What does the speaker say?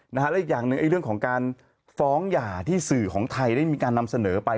และอีกอย่างหนึ่งเรื่องของการฟ้องหย่าที่สื่อของไทยได้มีการนำเสนอไป